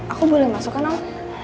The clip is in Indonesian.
aku boleh masuk kan om